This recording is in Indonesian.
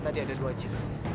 tadi ada dua cid